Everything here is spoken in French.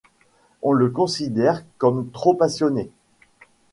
On le considère comme trop passionné.